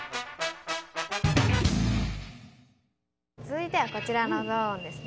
続いてはこちらのゾーンですね。